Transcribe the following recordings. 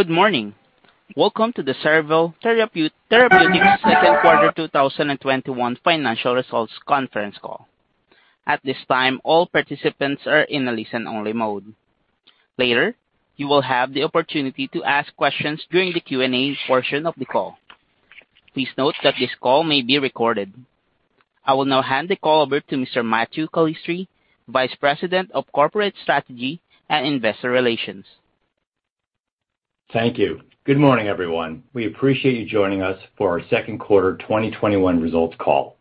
Good morning. Welcome to the Cerevel Therapeutics Second Quarter 2021 Financial Results Conference Call. At this time, all participants are in a listen-only mode. Later, you will have the opportunity to ask questions during the Q&A portion of the call. Please note that this call may be recorded. I will now hand the call over to Mr. Matthew Calistri, Vice President of Corporate Strategy and Investor Relations. Thank you. Good morning, everyone. We appreciate you joining us for our second quarter 2021 results call.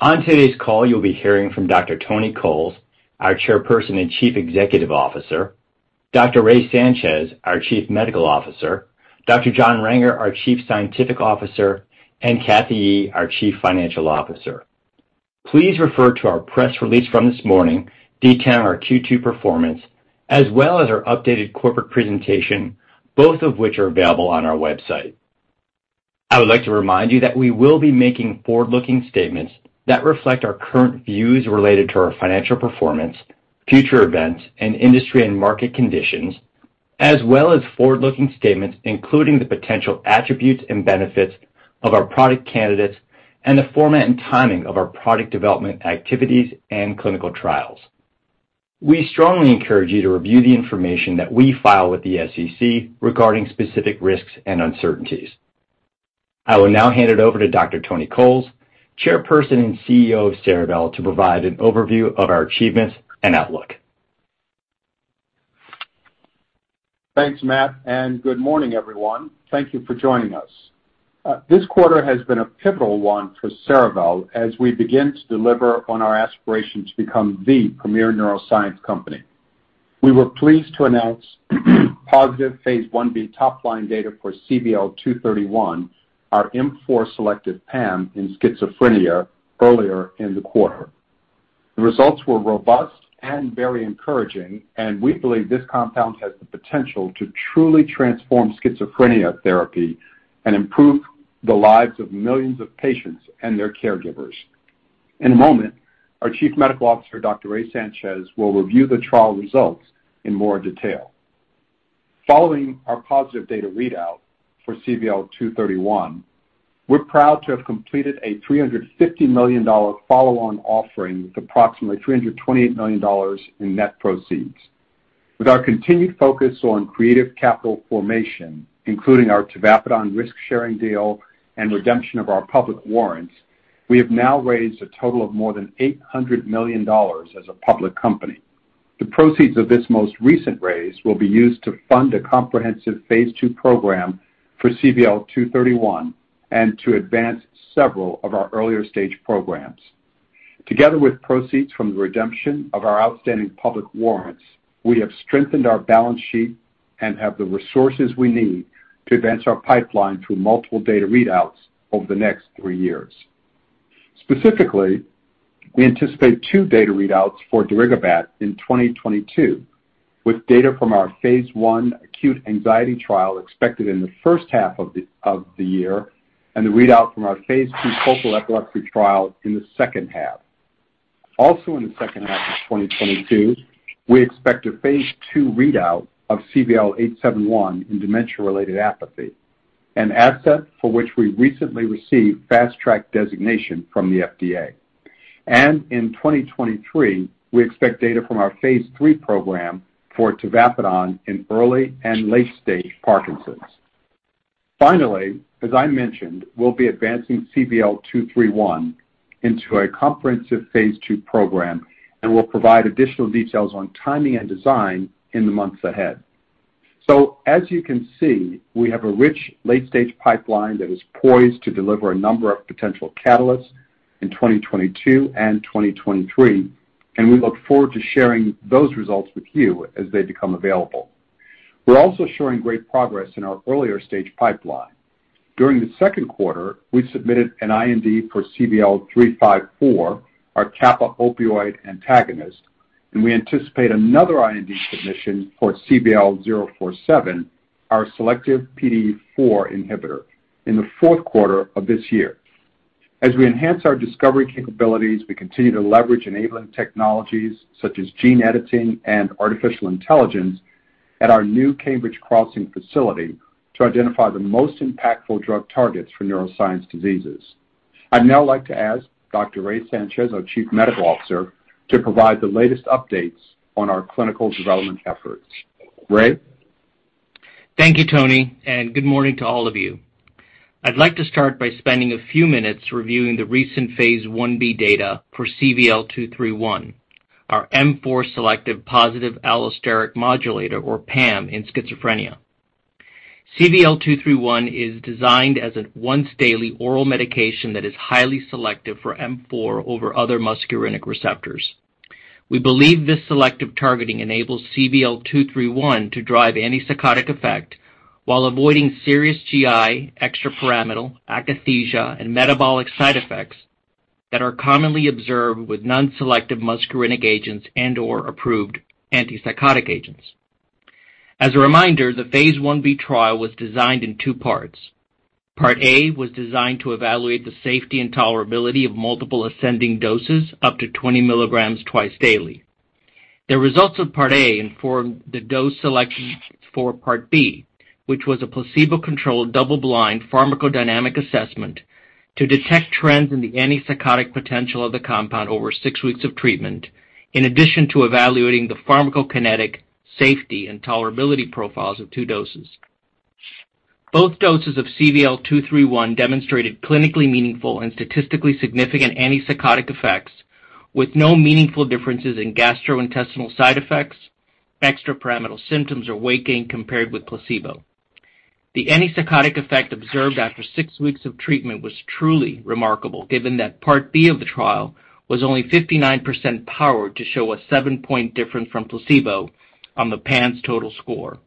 On today's call, you'll be hearing from Dr. Tony Coles, our Chairperson and Chief Executive Officer, Dr. Ray Sanchez, our Chief Medical Officer, Dr. John Renger, our Chief Scientific Officer, and Kathy Yi, our Chief Financial Officer. Please refer to our press release from this morning detailing our Q2 performance, as well as our updated corporate presentation, both of which are available on our website. I would like to remind you that we will be making forward-looking statements that reflect our current views related to our financial performance, future events, and industry and market conditions, as well as forward-looking statements, including the potential attributes and benefits of our product candidates and the format and timing of our product development activities and clinical trials. We strongly encourage you to review the information that we file with the SEC regarding specific risks and uncertainties. I will now hand it over to Dr. Tony Coles, Chairperson and CEO of Cerevel, to provide an overview of our achievements and outlook. Thanks, Matt, and good morning, everyone. Thank you for joining us. This quarter has been a pivotal one for Cerevel as we begin to deliver on our aspiration to become the premier neuroscience company. We were pleased to announce positive phase I-B top-line data for CVL-231, our M4 selective PAM in schizophrenia earlier in the quarter. The results were robust and very encouraging, and we believe this compound has the potential to truly transform schizophrenia therapy and improve the lives of millions of patients and their caregivers. In a moment, our Chief Medical Officer, Dr. Ray Sanchez, will review the trial results in more detail. Following our positive data readout for CVL-231, we're proud to have completed a $350 million follow-on offering with approximately $328 million in net proceeds. With our continued focus on creative capital formation, including our tavapadon risk-sharing deal and redemption of our public warrants, we have now raised a total of more than $800 million as a public company. The proceeds of this most recent raise will be used to fund a comprehensive phase II program for CVL-231 and to advance several of our earlier-stage programs. Together with proceeds from the redemption of our outstanding public warrants, we have strengthened our balance sheet and have the resources we need to advance our pipeline through multiple data readouts over the next three years. Specifically, we anticipate two data readouts for darigabat in 2022, with data from our phase I acute anxiety trial expected in the first half of the year and the readout from our phase II focal epilepsy trial in the second half. In the second half of 2022, we expect a phase II readout of CVL-871 in dementia-related apathy, an asset for which we recently received Fast Track designation from the FDA. In 2023, we expect data from our phase III program for tavapadon in early and late-stage Parkinson's. Finally, as I mentioned, we'll be advancing CVL-231 into a comprehensive phase II program, and we'll provide additional details on timing and design in the months ahead. As you can see, we have a rich late-stage pipeline that is poised to deliver a number of potential catalysts in 2022 and 2023, and we look forward to sharing those results with you as they become available. We're also showing great progress in our earlier-stage pipeline. During the second quarter, we submitted an IND for CVL-354, our kappa-opioid antagonist, and we anticipate another IND submission for CVL-047, our selective PDE4 inhibitor, in the fourth quarter of this year. As we enhance our discovery capabilities, we continue to leverage enabling technologies such as gene editing and artificial intelligence at our new Cambridge Crossing facility to identify the most impactful drug targets for neuroscience diseases. I'd now like to ask Dr. Ray Sanchez, our Chief Medical Officer, to provide the latest updates on our clinical development efforts. Ray? Thank you, Tony, and good morning to all of you. I'd like to start by spending a few minutes reviewing the recent phase I-B data for CVL-231, our M4 selective positive allosteric modulator, or PAM, in schizophrenia. CVL-231 is designed as an once-daily oral medication that is highly selective for M4 over other muscarinic receptors. We believe this selective targeting enables CVL-231 to drive antipsychotic effect while avoiding serious GI, extrapyramidal, akathisia, and metabolic side effects that are commonly observed with non-selective muscarinic agents and/or approved antipsychotic agents. As a reminder, the phase I-B trial was designed in two parts. Part A was designed to evaluate the safety and tolerability of multiple ascending doses up to 20 mg twice daily. The results of Part A informed the dose selection for Part B, which was a placebo-controlled, double-blind pharmacodynamic assessment to detect trends in the antipsychotic potential of the compound over six weeks of treatment, in addition to evaluating the pharmacokinetic safety and tolerability profiles of two doses. Both doses of CVL-231 demonstrated clinically meaningful and statistically significant antipsychotic effects with no meaningful differences in gastrointestinal side effects, extrapyramidal symptoms, or weight gain compared with placebo. The antipsychotic effect observed after six weeks of treatment was truly remarkable, given that Part B of the trial was only 59% powered to show a 7-point difference from placebo on the PANSS total score.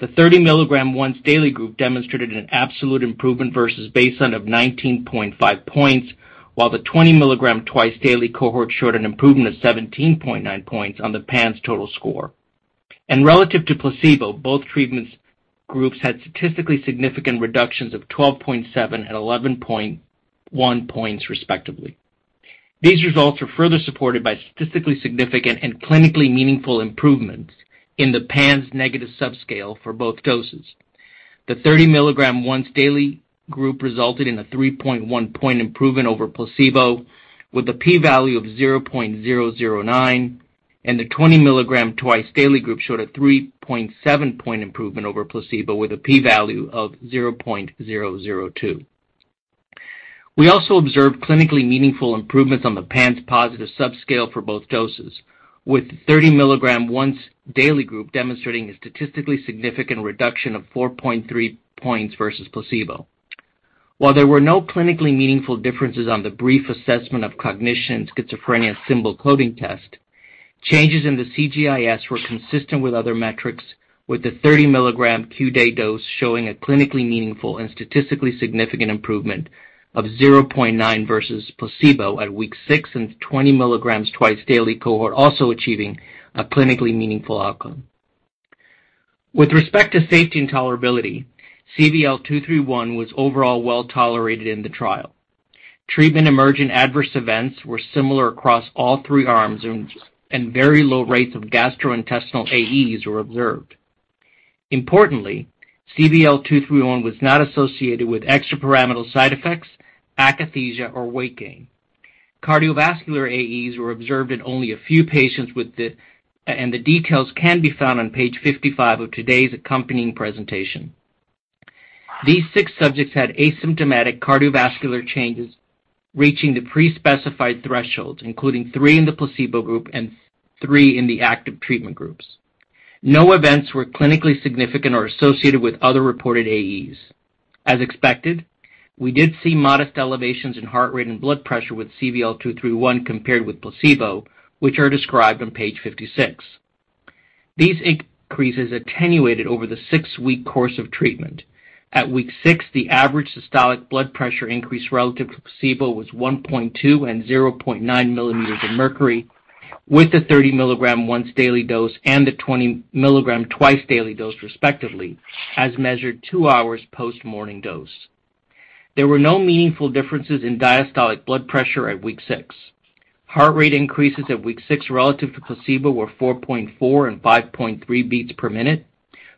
The 30-mg once daily group demonstrated an absolute improvement versus baseline of 19.5 points, while the 20-mg twice daily cohort showed an improvement of 17.9 points on the PANSS total score. Relative to placebo, both treatment groups had statistically significant reductions of 12.7 points and 11.1 points, respectively. These results were further supported by statistically significant and clinically meaningful improvements in the PANSS Negative subscale for both doses. The 30-milligram once daily group resulted in a 3.1 point improvement over placebo, with a p-value of 0.009, and the 20-mg twice daily group showed a 3.7 point improvement over placebo with a p-value of 0.002. We also observed clinically meaningful improvements on the PANSS Positive subscale for both doses, with 30-mg once daily group demonstrating a statistically significant reduction of 4.3 points versus placebo. While there were no clinically meaningful differences on the Brief Assessment of Cognition in Schizophrenia Symbol Coding Test, changes in the CGI-S were consistent with other metrics, with the 30-mg Q day dose showing a clinically meaningful and statistically significant improvement of 0.9 versus placebo at week 6 and 20 mg twice daily cohort also achieving a clinically meaningful outcome. With respect to safety and tolerability, CVL-231 was overall well-tolerated in the trial. Treatment-emergent adverse events were similar across all three arms, and very low rates of gastrointestinal AEs were observed. Importantly, CVL-231 was not associated with extrapyramidal side effects, akathisia, or weight gain. Cardiovascular AEs were observed in only a few patients with it, and the details can be found on page 55 of today's accompanying presentation. These six subjects had asymptomatic cardiovascular changes reaching the pre-specified thresholds, including three in the placebo group and three in the active treatment groups. No events were clinically significant or associated with other reported AEs. As expected, we did see modest elevations in heart rate and blood pressure with CVL-231 compared with placebo, which are described on page 56. These increases attenuated over the six-week course of treatment. At week 6, the average systolic blood pressure increase relative to placebo was 1.2 and 0.9 millimetres of mercury with the 30-mg once daily dose and the 20-mg twice daily dose, respectively, as measured two hours post morning dose. There were no meaningful differences in diastolic blood pressure at week 6. Heart rate increases at week six relative to placebo were 4.4 and 5.3 beats per minute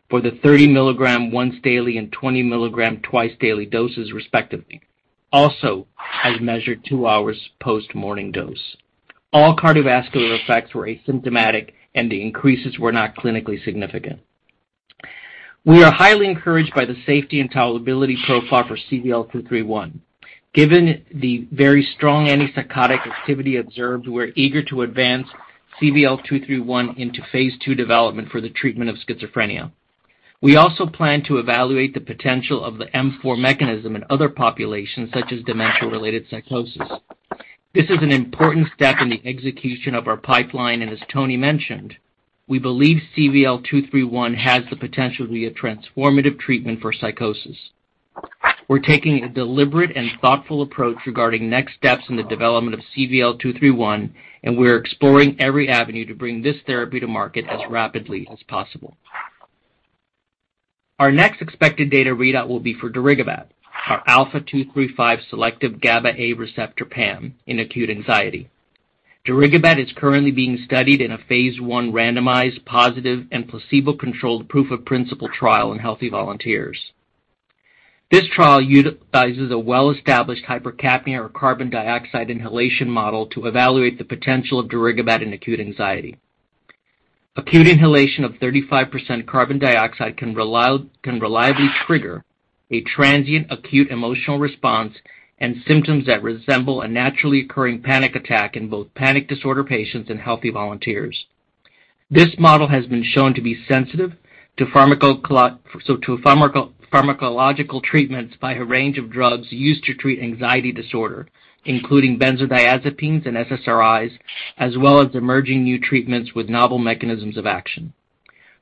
for the 30-mg once daily and 20-mg twice daily doses, respectively, also as measured two hours post morning dose. All cardiovascular effects were asymptomatic, and the increases were not clinically significant. We are highly encouraged by the safety and tolerability profile for CVL-231. Given the very strong antipsychotic activity observed, we're eager to advance CVL-231 into phase II development for the treatment of schizophrenia. We also plan to evaluate the potential of the M4 mechanism in other populations, such as dementia-related psychosis. This is an important step in the execution of our pipeline, and as Tony mentioned, we believe CVL-231 has the potential to be a transformative treatment for psychosis. We're taking a deliberate and thoughtful approach regarding next steps in the development of CVL-231, and we're exploring every avenue to bring this therapy to market as rapidly as possible. Our next expected data readout will be for darigabat, our alpha-2/3/5 selective GABAA receptor PAM in acute anxiety. Darigabat is currently being studied in a phase I randomized, positive, and placebo-controlled proof-of-principle trial in healthy volunteers. This trial utilizes a well-established hypercapnia or carbon dioxide inhalation model to evaluate the potential of darigabat in acute anxiety. Acute inhalation of 35% carbon dioxide can reliably trigger a transient acute emotional response and symptoms that resemble a naturally occurring panic attack in both panic disorder patients and healthy volunteers. This model has been shown to be sensitive to pharmacological treatments by a range of drugs used to treat anxiety disorder, including benzodiazepines and SSRIs, as well as emerging new treatments with novel mechanisms of action.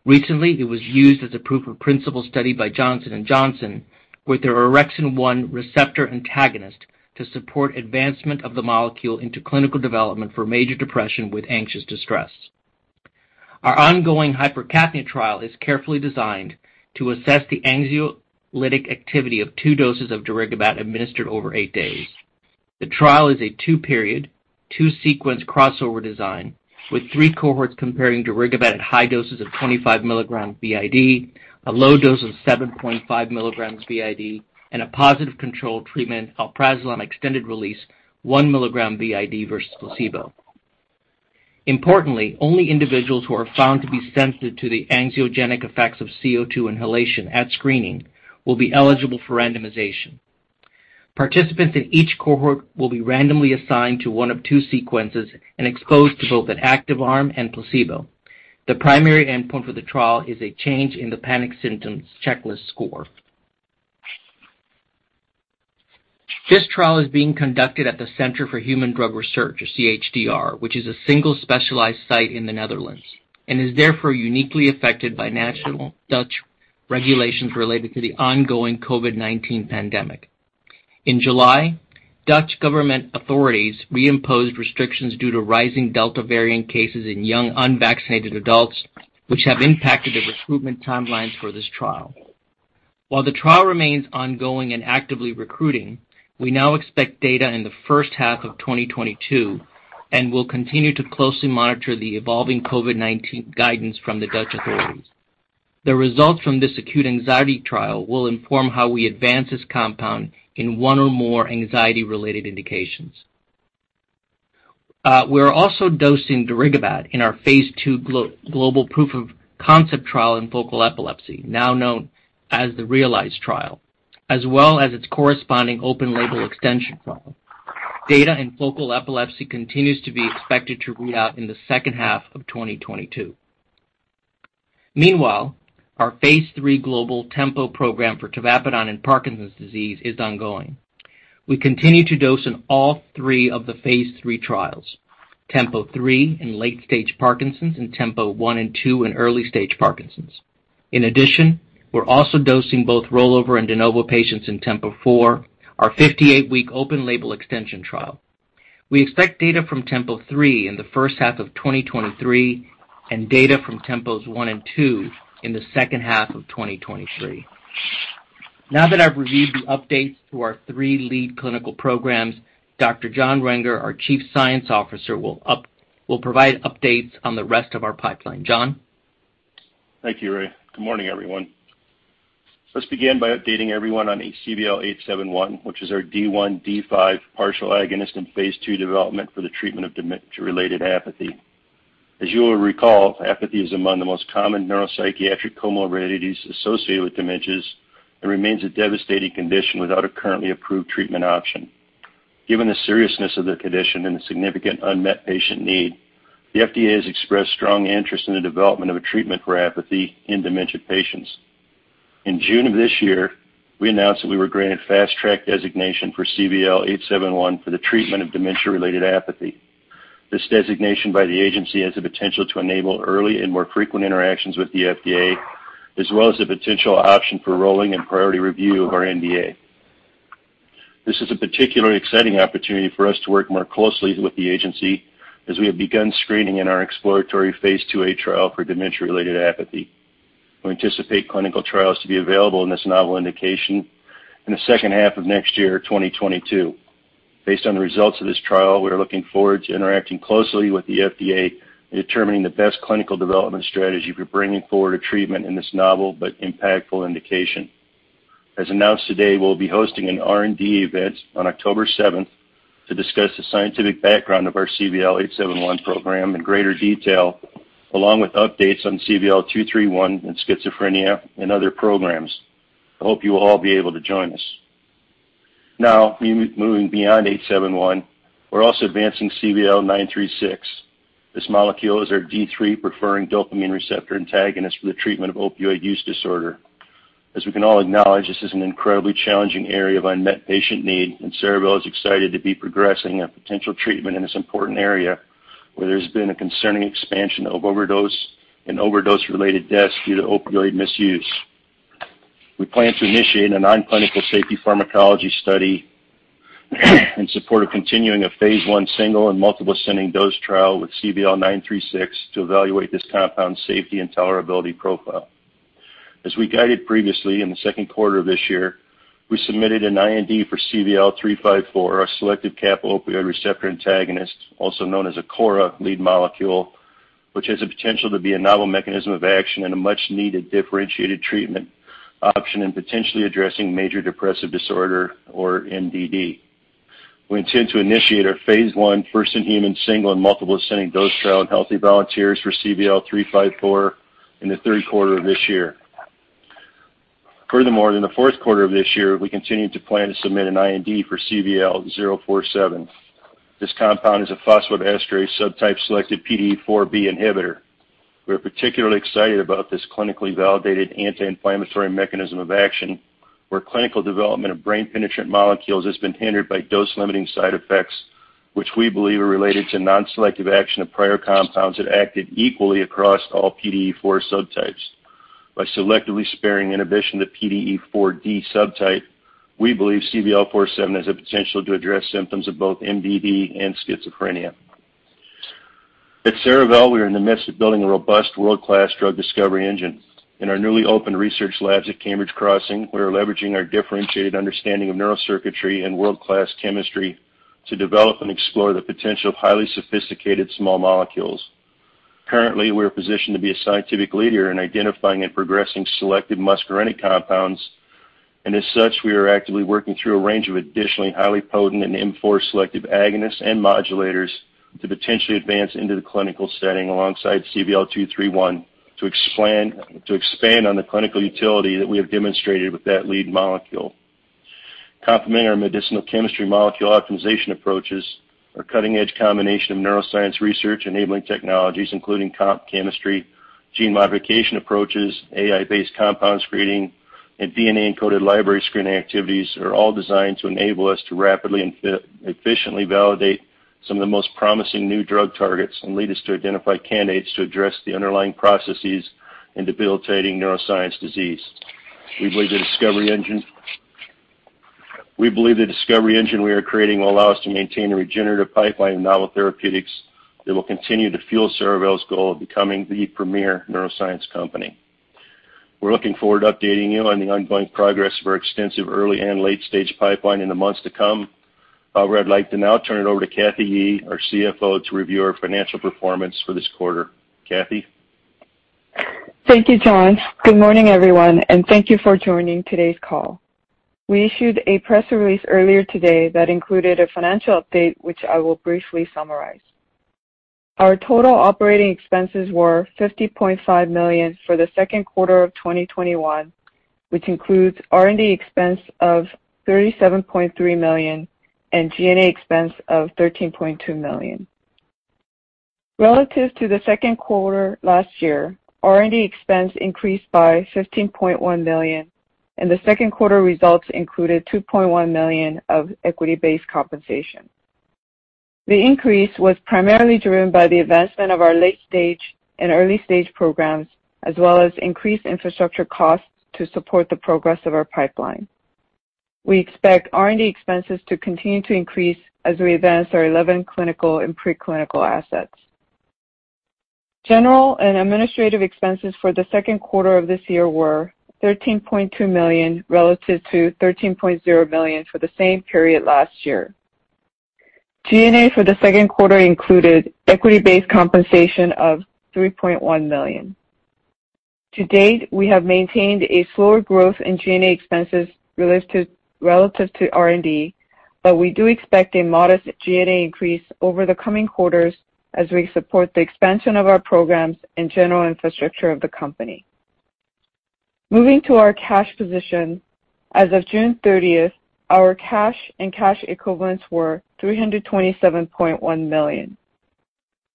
Recently, it was used as a proof-of-principle study by Johnson & Johnson with their orexin-1 receptor antagonist to support advancement of the molecule into clinical development for major depression with anxious distress. Our ongoing hypercapnia trial is carefully designed to assess the anxiolytic activity of two doses of darigabat administered over eight days. The trial is a two-period, two-sequence crossover design with three cohorts comparing darigabat at high doses of 25 mg BID, a low dose of 7.5 mg BID, and a positive control treatment, alprazolam extended release 1 mg BID versus placebo. Importantly, only individuals who are found to be sensitive to the anxiogenic effects of CO2 inhalation at screening will be eligible for randomization. Participants in each cohort will be randomly assigned to one of two sequences and exposed to both an active arm and placebo. The primary endpoint for the trial is a change in the Panic Symptoms Checklist score. This trial is being conducted at the Centre for Human Drug Research, or CHDR, which is a single specialized site in the Netherlands and is therefore uniquely affected by national Dutch regulations related to the ongoing COVID-19 pandemic. In July, Dutch government authorities reimposed restrictions due to rising Delta variant cases in young unvaccinated adults, which have impacted the recruitment timelines for this trial. While the trial remains ongoing and actively recruiting, we now expect data in the first half of 2022 and will continue to closely monitor the evolving COVID-19 guidance from the Dutch authorities. The results from this acute anxiety trial will inform how we advance this compound in one or more anxiety-related indications. We are also dosing darigabat in our phase II global proof-of-concept trial in focal epilepsy, now known as the REALIZE trial, as well as its corresponding open label extension trial. Data in focal epilepsy continues to be expected to read out in the second half of 2022. Meanwhile, our phase III global TEMPO program for tavapadon in Parkinson's disease is ongoing. We continue to dose in all three of the phase III trials, TEMPO 3 in late stage Parkinson's and TEMPO 1 and 2 in early stage Parkinson's. In addition, we're also dosing both rollover and de novo patients in TEMPO 4, our 58-week open-label extension trial. We expect data from TEMPO 3 in the first half of 2023 and data from TEMPOs 1 and 2 in the second half of 2023. Now that I've reviewed the updates to our three lead clinical programs, Dr. John Renger, our Chief Scientific Officer, will provide updates on the rest of our pipeline. John? Thank you, Ray. Good morning, everyone. Let's begin by updating everyone on CVL-871, which is our D1/D5 partial agonist in phase II development for the treatment of dementia-related apathy. As you will recall, apathy is among the most common neuropsychiatric comorbidities associated with dementias and remains a devastating condition without a currently approved treatment option. Given the seriousness of the condition and the significant unmet patient need, the FDA has expressed strong interest in the development of a treatment for apathy in dementia patients. In June of this year, we announced that we were granted Fast Track designation for CVL-871 for the treatment of dementia-related apathy. This designation by the agency has the potential to enable early and more frequent interactions with the FDA, as well as the potential option for rolling and priority review of our NDA. This is a particularly exciting opportunity for us to work more closely with the agency as we have begun screening in our exploratory phase II-A trial for dementia-related apathy. We anticipate clinical trials to be available in this novel indication in the second half of next year, 2022. Based on the results of this trial, we are looking forward to interacting closely with the FDA in determining the best clinical development strategy for bringing forward a treatment in this novel but impactful indication. As announced today, we'll be hosting an R&D event on October 7th to discuss the scientific background of our CVL-871 program in greater detail, along with updates on CVL-231 in schizophrenia and other programs. I hope you will all be able to join us. Now, moving beyond CVL-871, we're also advancing CVL-936. This molecule is our D3-preferring dopamine receptor antagonist for the treatment of opioid use disorder. As we can all acknowledge, this is an incredibly challenging area of unmet patient need, and Cerevel is excited to be progressing a potential treatment in this important area where there's been a concerning expansion of overdose and overdose-related deaths due to opioid misuse. We plan to initiate a non-clinical safety pharmacology study in support of continuing a phase I single and multiple ascending dose trial with CVL-936 to evaluate this compound's safety and tolerability profile. As we guided previously in the second quarter of this year, we submitted an IND for CVL-354, our selective Kappa Opioid Receptor Antagonist, also known as a KORA lead molecule, which has the potential to be a novel mechanism of action and a much-needed differentiated treatment option in potentially addressing Major Depressive Disorder, or MDD. We intend to initiate our phase I first-in-human single and multiple ascending dose trial in healthy volunteers for CVL-354 in the third quarter of this year. In the fourth quarter of this year, we continue to plan to submit an IND for CVL-047. This compound is a phosphodiesterase subtype-selective PDE4B inhibitor. We are particularly excited about this clinically validated anti-inflammatory mechanism of action where clinical development of brain penetrant molecules has been hindered by dose-limiting side effects, which we believe are related to non-selective action of prior compounds that acted equally across all PDE4 subtypes. By selectively sparing inhibition of the PDE4D subtype, we believe CVL-047 has the potential to address symptoms of both MDD and schizophrenia. At Cerevel, we are in the midst of building a robust world-class drug discovery engine. In our newly opened research labs at Cambridge Crossing, we are leveraging our differentiated understanding of neural circuitry and world-class chemistry to develop and explore the potential of highly sophisticated small molecules. Currently, we are positioned to be a scientific leader in identifying and progressing selective muscarinic compounds, and as such, we are actively working through a range of additionally highly potent and M4 selective agonists and modulators to potentially advance into the clinical setting alongside CVL-231 to expand on the clinical utility that we have demonstrated with that lead molecule. Complementary medicinal chemistry molecule optimization approaches are cutting-edge combination of neuroscience research, enabling technologies including comp chemistry, gene modification approaches, AI-based compound screening, and DNA-encoded library screening activities are all designed to enable us to rapidly and efficiently validate some of the most promising new drug targets and lead us to identify candidates to address the underlying processes in debilitating neuroscience disease. We believe the discovery engine we are creating will allow us to maintain a regenerative pipeline of novel therapeutics that will continue to fuel Cerevel's goal of becoming the premier neuroscience company. We're looking forward to updating you on the ongoing progress of our extensive early and late-stage pipeline in the months to come. I'd like to now turn it over to Kathy Yi, our CFO, to review our financial performance for this quarter. Kathy? Thank you, John. Good morning, everyone, and thank you for joining today's call. We issued a press release earlier today that included a financial update, which I will briefly summarize. Our total operating expenses were $50.5 million for the second quarter of 2021, which includes R&D expense of $37.3 million and G&A expense of $13.2 million. Relative to the second quarter last year, R&D expense increased by $15.1 million, and the second quarter results included $2.1 million of equity-based compensation. The increase was primarily driven by the advancement of our late-stage and early-stage programs, as well as increased infrastructure costs to support the progress of our pipeline. We expect R&D expenses to continue to increase as we advance our 11 clinical and pre-clinical assets. General and administrative expenses for the second quarter of this year were $13.2 million relative to $13.0 million for the same period last year. G&A for the second quarter included equity-based compensation of $3.1 million. To date, we have maintained a slower growth in G&A expenses relative to R&D, but we do expect a modest G&A increase over the coming quarters as we support the expansion of our programs and general infrastructure of the company. Moving to our cash position, as of June 30th, our cash and cash equivalents were $327.1 million.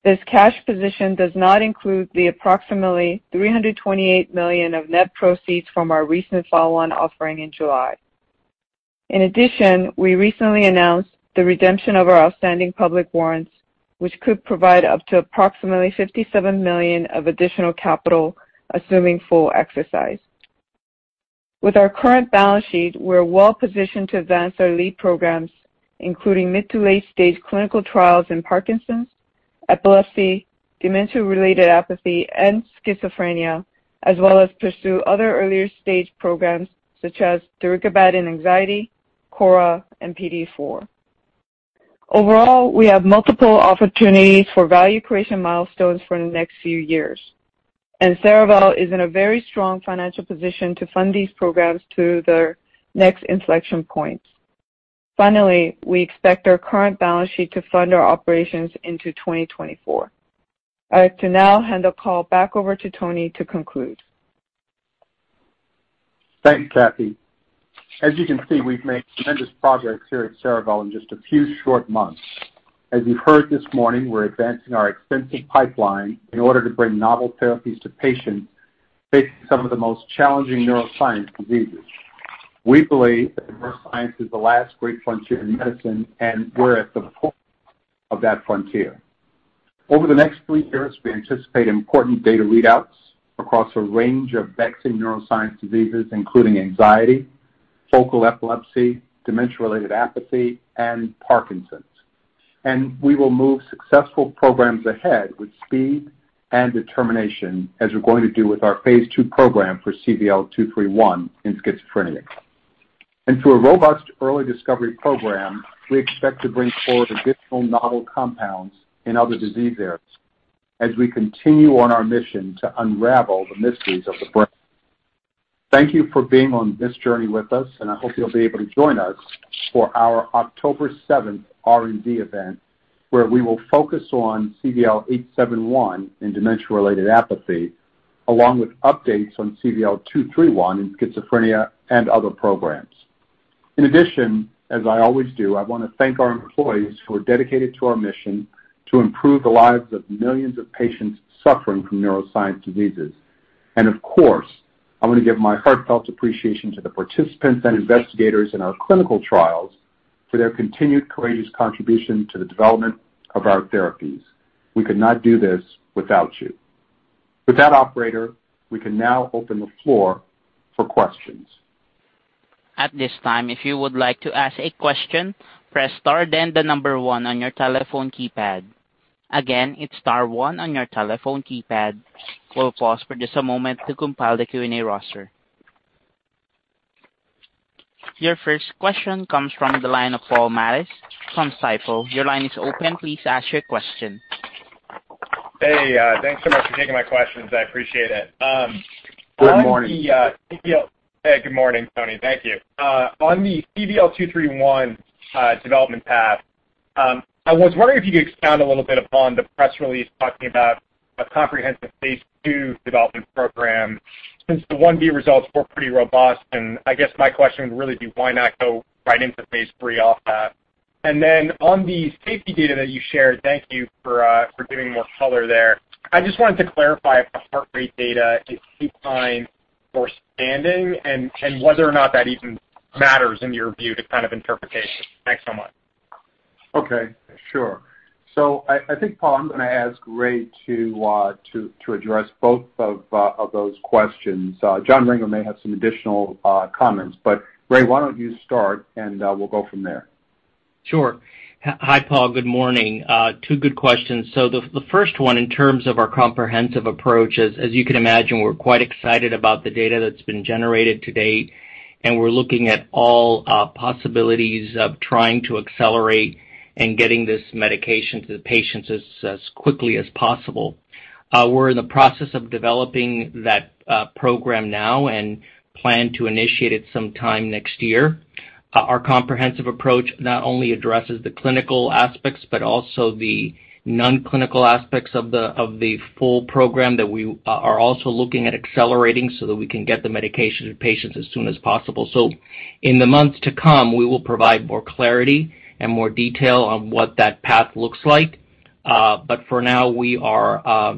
This cash position does not include the approximately $328 million of net proceeds from our recent follow-on offering in July. In addition, we recently announced the redemption of our outstanding public warrants, which could provide up to approximately $57 million of additional capital, assuming full exercise. With our current balance sheet, we're well positioned to advance our lead programs, including mid- to late-stage clinical trials in Parkinson's, epilepsy, dementia-related apathy, and schizophrenia, as well as pursue other earlier-stage programs such as darigabat in anxiety, KORA, and PDE4. We have multiple opportunities for value creation milestones for the next few years. Cerevel is in a very strong financial position to fund these programs to their next inflection points. Finally, we expect our current balance sheet to fund our operations into 2024. I'd like to now hand the call back over to Tony to conclude. Thanks, Kathy. As you can see, we've made tremendous progress here at Cerevel in just a few short months. As you've heard this morning, we're advancing our extensive pipeline in order to bring novel therapies to patients facing some of the most challenging neuroscience diseases. We believe that neuroscience is the last great frontier in medicine. We're at the forefront of that frontier. Over the next three years, we anticipate important data readouts across a range of vexing neuroscience diseases, including anxiety, focal epilepsy, dementia-related apathy, and Parkinson's. We will move successful programs ahead with speed and determination as we're going to do with our phase II program for CVL-231 in schizophrenia. Through a robust early discovery program, we expect to bring forward additional novel compounds in other disease areas as we continue on our mission to unravel the mysteries of the brain. Thank you for being on this journey with us, I hope you'll be able to join us for our October 7th R&D event, where we will focus on CVL-871 in dementia-related apathy, along with updates on CVL-231 in schizophrenia and other programs. In addition, as I always do, I want to thank our employees who are dedicated to our mission to improve the lives of millions of patients suffering from neuroscience diseases. Of course, I want to give my heartfelt appreciation to the participants and investigators in our clinical trials. For their continued courageous contribution to the development of our therapies. We could not do this without you. With that, operator, we can now open the floor for questions. At this time if you would like to ask a question, press star then the number one on your telephone keypad, again it's star one on your telephone keypad. We will pause for a moment to compile the Q&A roster. Your first question comes from the line of Paul Matteis from Stifel. Hey, thanks so much for taking my questions. I appreciate it. Good morning. Good morning, Tony. Thank you. On the CVL-231 development path, I was wondering if you could expound a little bit upon the press release talking about a comprehensive phase II development program since the phase I-B results were pretty robust. I guess my question would really be why not go right into phase III off that? On the safety data that you shared, thank you for giving more color there. I just wanted to clarify if the heart rate data is supine or standing and whether or not that even matters in your view to interpretation. Thanks so much. Okay, sure. I think, Paul, I'm going to ask Ray to address both of those questions. John Renger may have some additional comments, but Ray, why don't you start and we'll go from there. Sure. Hi, Paul. Good morning. Two good questions. The first one in terms of our comprehensive approach is, as you can imagine, we're quite excited about the data that's been generated to date, and we're looking at all possibilities of trying to accelerate in getting this medication to the patients as quickly as possible. We're in the process of developing that program now and plan to initiate it sometime next year. Our comprehensive approach not only addresses the clinical aspects but also the non-clinical aspects of the full program that we are also looking at accelerating so that we can get the medication to patients as soon as possible. In the months to come, we will provide more clarity and more detail on what that path looks like. For now, we are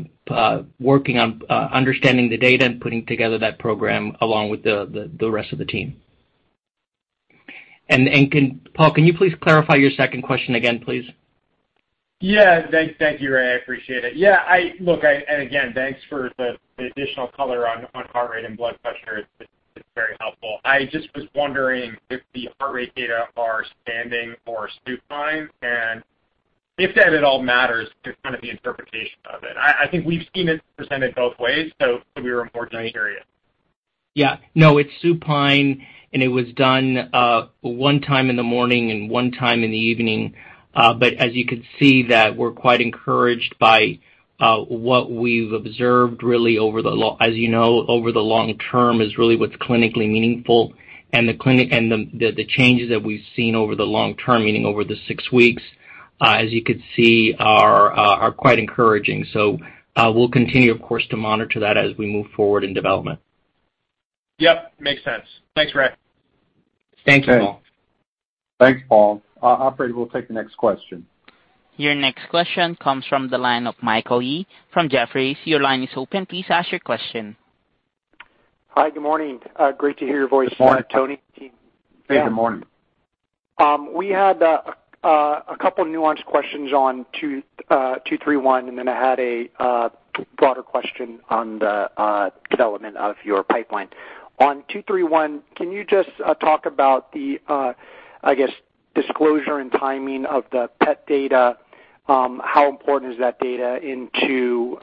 working on understanding the data and putting together that program along with the rest of the team. Paul, can you please clarify your second question again, please? Yeah. Thank you, Ray. I appreciate it. Yeah, look, again, thanks for the additional color on heart rate and blood pressure. It's very helpful. I just was wondering if the heart rate data are standing or supine and if that at all matters to kind of the interpretation of it. I think we've seen it presented both ways. We were more curious. Yeah. No, it's supine and it was done one time in the morning and one time in the evening. As you could see that we're quite encouraged by what we've observed really, as you know, over the long term is really what's clinically meaningful. The changes that we've seen over the long term, meaning over the six weeks, as you could see, are quite encouraging. We'll continue, of course, to monitor that as we move forward in development. Yep. Makes sense. Thanks, Ray. Thank you, Paul. Thanks, Paul. Operator, we'll take the next question. Your next question comes from the line of Michael Yee from Jefferies. Your line is open. Please ask your question. Hi. Good morning. Great to hear your voice. Good morning. Tony. Hey, good morning. We had a couple nuanced questions on CVL-231, then I had a broader question on the development of your pipeline. On CVL-231, can you just talk about the disclosure and timing of the PET data? How important is that data into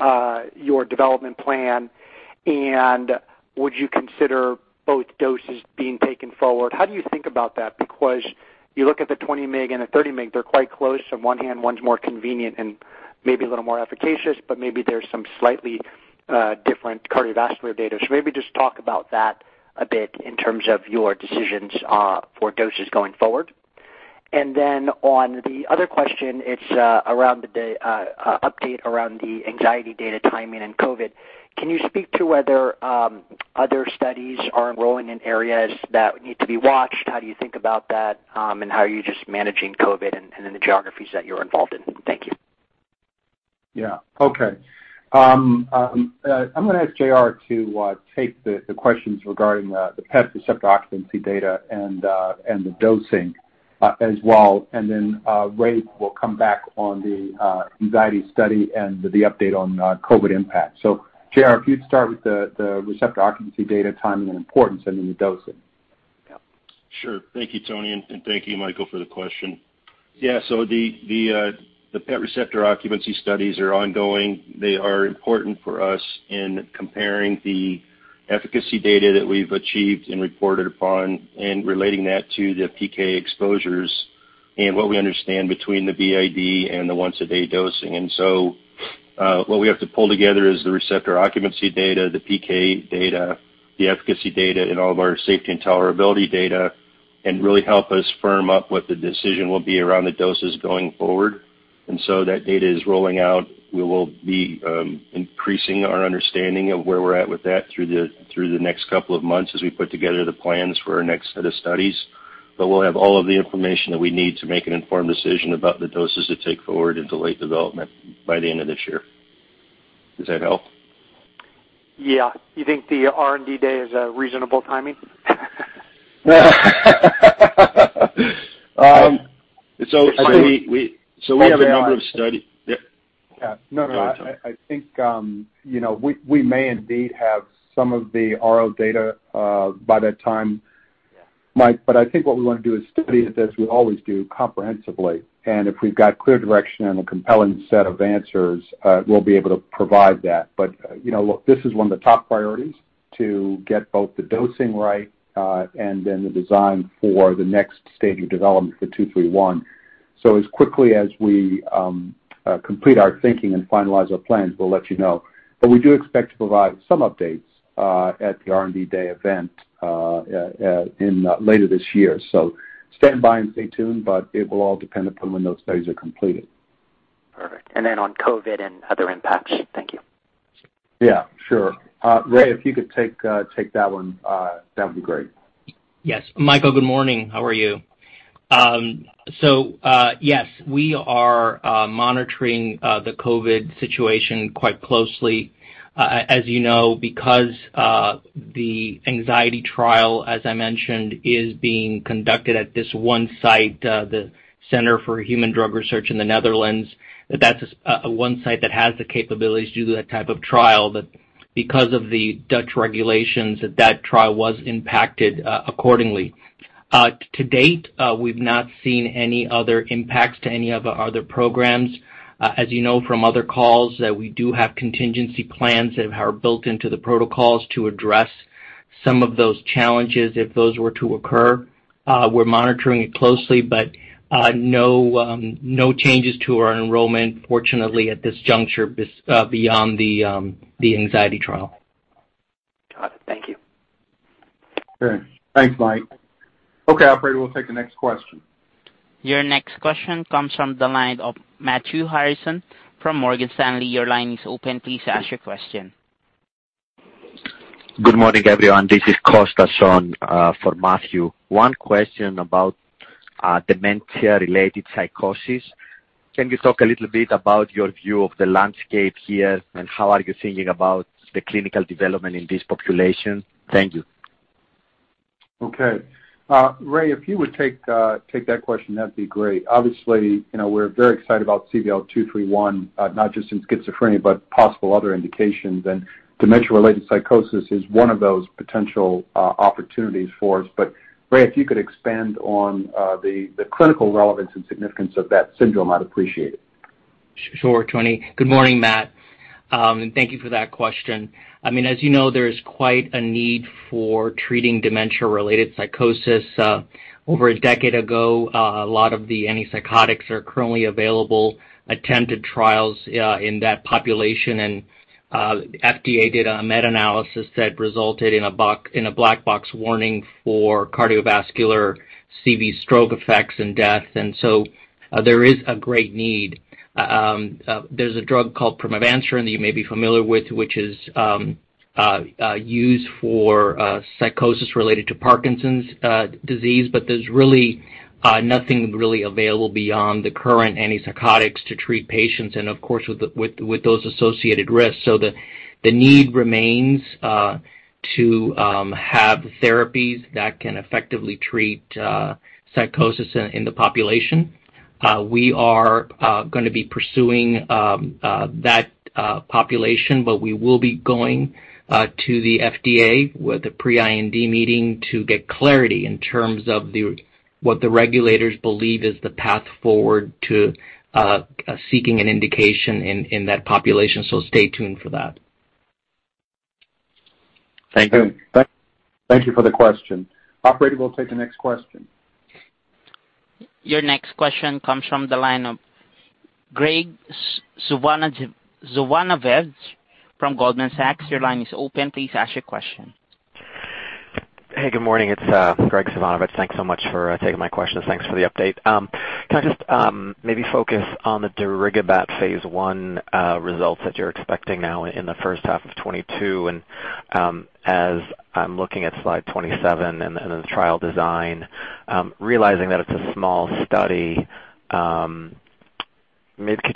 your development plan, would you consider both doses being taken forward? How do you think about that? You look at the 20 mg and the 30 mg, they're quite close. On one hand, one's more convenient and maybe a little more efficacious, maybe there's some slightly different cardiovascular data. Maybe just talk about that a bit in terms of your decisions for doses going forward. On the other question, it's around the update around the anxiety data timing and COVID-19. Can you speak to whether other studies are enrolling in areas that need to be watched? How do you think about that, and how are you just managing COVID and in the geographies that you're involved in? Thank you. Yeah. Okay. I'm going to ask JR to take the questions regarding the PET receptor occupancy data and the dosing as well, and then Ray will come back on the anxiety study and the update on COVID impact. JR, if you'd start with the receptor occupancy data timing and importance and then the dosing. Sure. Thank you, Tony, and thank you, Michael, for the question. Yeah, the PET receptor occupancy studies are ongoing. They are important for us in comparing the efficacy data that we've achieved and reported upon and relating that to the PK exposures and what we understand between the BID and the once-a-day dosing. What we have to pull together is the receptor occupancy data, the PK data, the efficacy data, and all of our safety and tolerability data, and really help us firm up what the decision will be around the doses going forward. That data is rolling out. We will be increasing our understanding of where we're at with that through the next couple of months as we put together the plans for our next set of studies. We'll have all of the information that we need to make an informed decision about the doses to take forward into late development by the end of this year. Does that help? Yeah. You think the R&D Day is a reasonable timing? We have a number of study. Yeah. Yeah. No, I think we may indeed have some of the oral data by that time, Mike, I think what we want to do is study it as we always do comprehensively. If we've got clear direction and a compelling set of answers, we'll be able to provide that. Look, this is one of the top priorities to get both the dosing right and then the design for the next stage of development for CVL-231. As quickly as we complete our thinking and finalize our plans, we'll let you know. We do expect to provide some updates at the R&D Day event later this year. Stand by and stay tuned, it will all depend upon when those studies are completed. Perfect. On COVID and other impacts. Thank you. Yeah, sure. Ray, if you could take that one, that would be great. Yes. Michael, good morning. How are you? Yes, we are monitoring the COVID situation quite closely. As you know, because the anxiety trial, as I mentioned, is being conducted at this one site, the Centre for Human Drug Research in the Netherlands. That's one site that has the capabilities to do that type of trial. Because of the Dutch regulations, that trial was impacted accordingly. To date, we've not seen any other impacts to any of our other programs. As you know from other calls, that we do have contingency plans that are built into the protocols to address some of those challenges if those were to occur. We're monitoring it closely, no changes to our enrollment, fortunately, at this juncture, beyond the anxiety trial. Got it. Thank you. Great. Thanks, Mike. Okay, operator, we'll take the next question. Your next question comes from the line of Matthew Harrison from Morgan Stanley. Your line is open. Please ask your question. Good morning, everyone. This is Costa Sean for Matthew. One question about dementia-related psychosis. Can you talk a little bit about your view of the landscape here, and how are you thinking about the clinical development in this population? Thank you. Okay. Ray, if you would take that question, that'd be great. Obviously, we're very excited about CVL-231, not just in schizophrenia, but possible other indications. Dementia-related psychosis is one of those potential opportunities for us. Ray, if you could expand on the clinical relevance and significance of that syndrome, I'd appreciate it. Sure, Tony. Good morning, Matt. Thank you for that question. As you know, there is quite a need for treating dementia-related psychosis. Over a decade ago, a lot of the antipsychotics that are currently available attempted trials in that population, and FDA did a meta-analysis that resulted in a black box warning for cardiovascular CV stroke effects and death. There is a great need. There's a drug called pimavanserin that you may be familiar with, which is used for psychosis related to Parkinson's disease, there's nothing really available beyond the current antipsychotics to treat patients, and of course, with those associated risks. The need remains to have therapies that can effectively treat psychosis in the population. We are going to be pursuing that population. We will be going to the FDA with a pre-IND meeting to get clarity in terms of what the regulators believe is the path forward to seeking an indication in that population. Stay tuned for that. Thank you. Thank you for the question. Operator, we'll take the next question. Your next question comes from the line of Graig Suvannavejh from Goldman Sachs. Your line is open. Please ask your question. Hey, good morning. It's Graig Suvannavejh. Thanks so much for taking my questions. Thanks for the update. Can I just maybe focus on the darigabat phase I results that you're expecting now in the first half of 2022? As I'm looking at slide 27 and then the trial design, realizing that it's a small study, could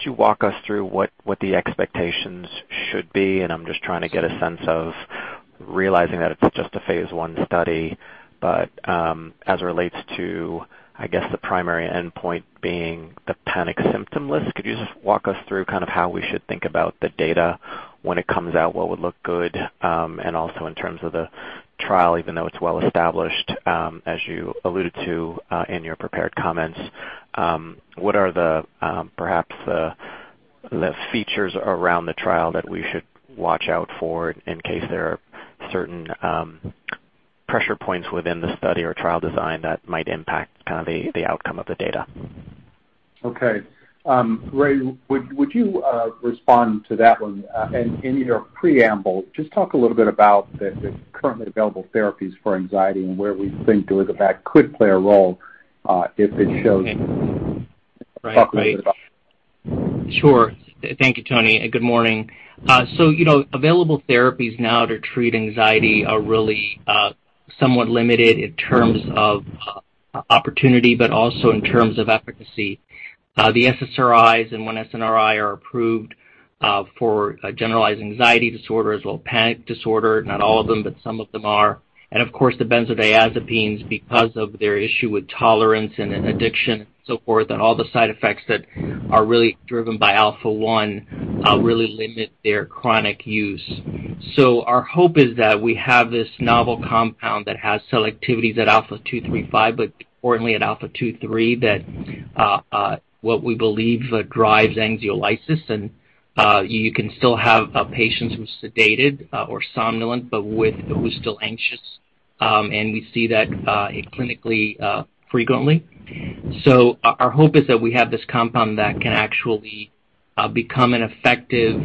you walk us through what the expectations should be? I'm just trying to get a sense of realizing that it's just a phase I study. As it relates to, I guess, the primary endpoint being the Panic Symptom List, could you just walk us through how we should think about the data when it comes out, what would look good? Also in terms of the trial, even though it's well-established, as you alluded to in your prepared comments, what are perhaps the features around the trial that we should watch out for in case there are certain pressure points within the study or trial design that might impact the outcome of the data? Okay. Ray, would you respond to that one? In your preamble, just talk a little bit about the currently available therapies for anxiety and where we think darigabat could play a role if it shows. Talk a little bit about it. Sure. Thank you, Tony, and good morning. Available therapies now to treat anxiety are really somewhat limited in terms of opportunity, but also in terms of efficacy. The SSRIs and one SNRI are approved for generalized anxiety disorder as well as panic disorder. Not all of them, but some of them are. Of course, the benzodiazepines, because of their issue with tolerance and addiction, so forth, and all the side effects that are really driven by alpha-1, really limit their chronic use. Our hope is that we have this novel compound that has selectivities at alpha-2/3/5, but importantly at alpha-2/3 that what we believe drives anxiolysis. You can still have patients who's sedated or somnolent but who's still anxious, and we see that clinically frequently. Our hope is that we have this compound that can actually become an effective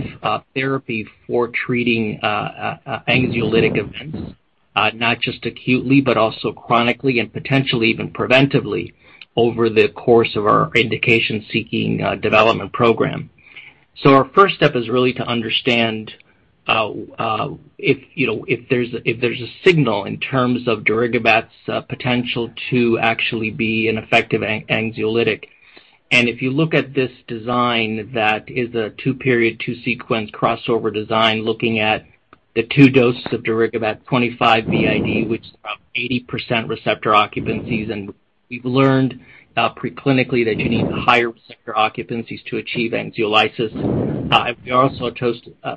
therapy for treating anxiolytic events, not just acutely, but also chronically and potentially even preventively over the course of our indication-seeking development program. Our first step is really to understand if there's a signal in terms of darigabat's potential to actually be an effective anxiolytic. If you look at this design, that is a two-period, two-sequence crossover design looking at the two-dose of darigabat 25 BID, which is about 80% receptor occupancies. We've learned preclinically that you need higher receptor occupancies to achieve anxiolysis. We also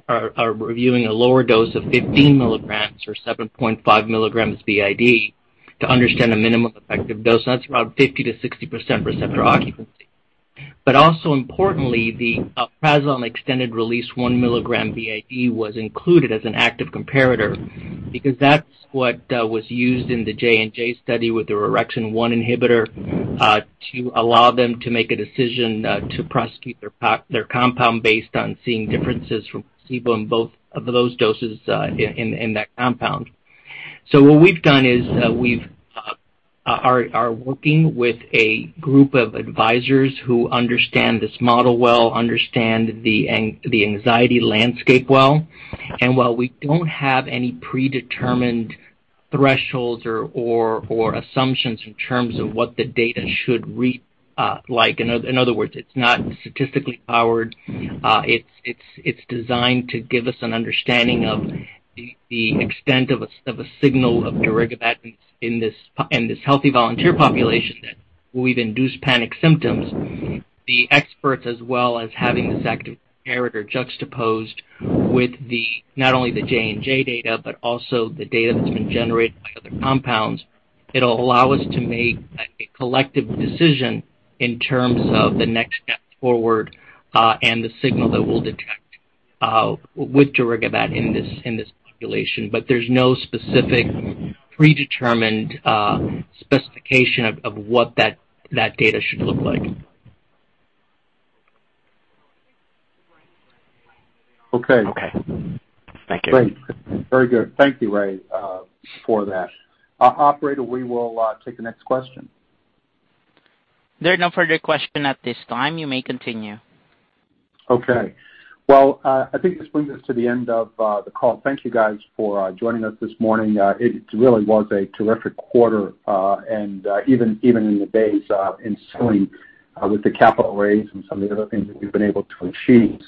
are reviewing a lower dose of 15 mg or 7.5 mg BID to understand the minimum effective dose, and that's about 50%-60% receptor occupancy. Also importantly, the alprazolam extended release 1 milligram BID was included as an active comparator because that's what was used in the J&J study with the orexin-1 inhibitor, to allow them to make a decision to prosecute their compound based on seeing differences from placebo in both of those doses in that compound. What we've done is we are working with a group of advisors who understand this model well, understand the anxiety landscape well. While we don't have any predetermined thresholds or assumptions in terms of what the data should read like, in other words, it's not statistically powered. It's designed to give us an understanding of the extent of a signal of darigabat in this healthy volunteer population that we've induced panic symptoms. The experts, as well as having this active comparator juxtaposed with not only the J&J data but also the data that's been generated by other compounds, it'll allow us to make a collective decision in terms of the next step forward and the signal that we'll detect with darigabat in this population. There's no specific predetermined specification of what that data should look like. Okay. Thank you. Great. Very good. Thank you, Ray, for that. Operator, we will take the next question. There are no further question at this time. You may continue. Okay. Well, I think this brings us to the end of the call. Thank you guys for joining us this morning. It really was a terrific quarter, and even in the days ensuing with the capital raise and some of the other things that we've been able to achieve.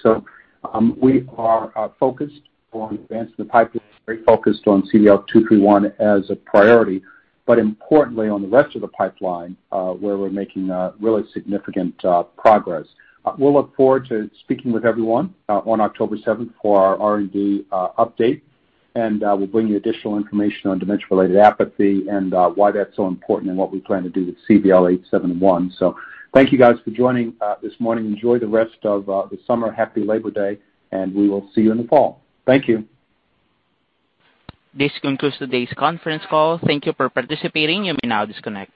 We are focused on advancing the pipeline. We're very focused on CVL-231 as a priority, but importantly on the rest of the pipeline, where we're making really significant progress. We'll look forward to speaking with everyone on October 7th for our R&D update, and we'll bring you additional information on dementia-related apathy and why that's so important and what we plan to do with CVL-871. Thank you guys for joining this morning. Enjoy the rest of the summer. Happy Labor Day, and we will see you in the fall. Thank you. This concludes today's conference call. Thank you for participating. You may now disconnect.